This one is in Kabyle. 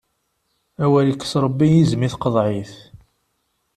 Awer ikkes Ṛebbi izem i teqḍiɛt!